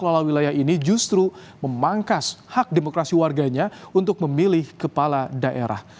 pengelola wilayah ini justru memangkas hak demokrasi warganya untuk memilih kepala daerah